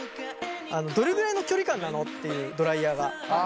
どれぐらいの距離感なのっていうドライヤーが。